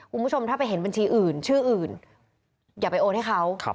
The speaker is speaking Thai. คุณผู้ชมถ้าไปเห็นบัญชีอื่นชื่ออื่นอย่าไปโอนให้เขา